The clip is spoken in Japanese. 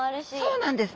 そうなんです。